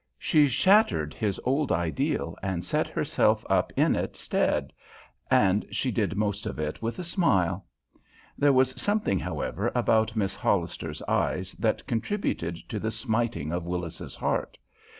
She shattered his old ideal and set herself up in its stead, and she did most of it with a smile. There was something, however, about Miss Hollister's eyes that contributed to the smiting of Willis's heart.